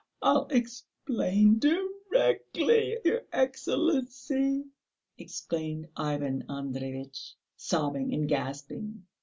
I'll explain directly, your Excellency," exclaimed Ivan Andreyitch, sobbing and gasping.